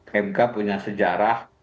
mk punya sejarah